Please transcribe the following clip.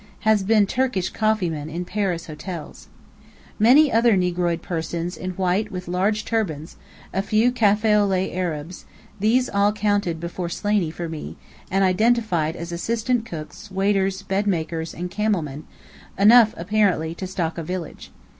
(Has been Turkish coffee man in Paris hotels.) Many other negroid persons in white with large turbans; a few café au lait Arabs; these all counted beforehand by Slaney, for me, and identified as assistant cooks, waiters, bed makers, and camel men, enough apparently to stock a village.